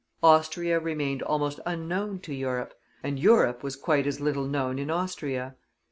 Austria remained almost unknown to Europe, and Europe was quite as little known in Austria.